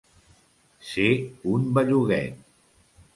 Ser un belluguet.